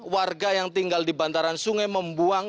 warga yang tinggal di bantaran sungai membuang